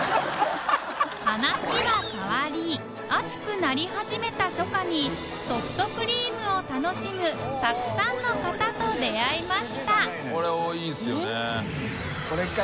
話は変わり暑くなり始めた初夏にソフトクリームを楽しむたくさんの方と出会いましたすげぇ長いのよ。